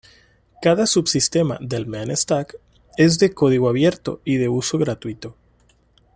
Cada subsistema del Mean stack es de código abierto y de uso gratuito.